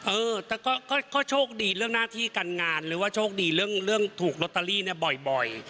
เออแต่ก็โชคดีเรื่องหน้าที่การงานหรือว่าโชคดีเรื่องถูกลอตเตอรี่เนี่ยบ่อย